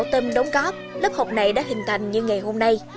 lúc đó tâm đóng góp lớp học này đã hình thành như ngày hôm nay